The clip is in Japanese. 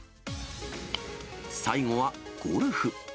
最後は、ゴルフ。